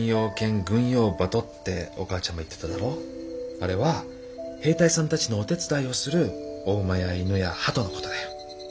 あれは兵隊さんたちのお手伝いをするお馬や犬や鳩の事だよ。